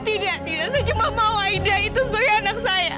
tidak tidak saya cuma mau idea itu sebagai anak saya